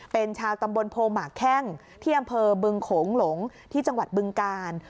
เป็นชาวตำบลโพหมากแข้งที่อำเภอบึงโขงหลงที่จังหวัดบึงกาล